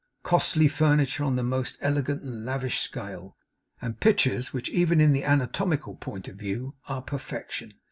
Costly furniture on the most elegant and lavish scale. And pictures, which, even in an anatomical point of view, are perfection.